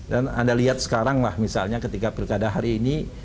dan anda lihat sekarang lah misalnya ketika perikadah hari ini